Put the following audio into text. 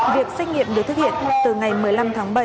việc xét nghiệm được thực hiện từ ngày một mươi năm tháng bảy